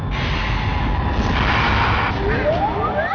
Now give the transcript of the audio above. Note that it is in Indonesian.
tidak kamu harus melihat wajahmu dulu